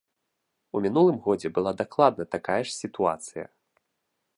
У мінулым годзе была дакладна такая ж сітуацыя.